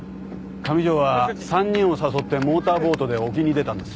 上条は３人を誘ってモーターボートで沖に出たんです。